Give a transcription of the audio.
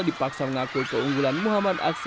dipaksa mengaku keunggulan muhammad aksan kevin sanjaya